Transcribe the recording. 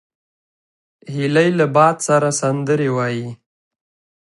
هیلۍ له باد سره سندرې وايي